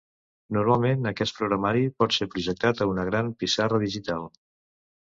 Normalment, aquest programari pot ser projectat a una gran pissarra digital.